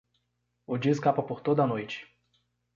O dia escapa por toda a noite.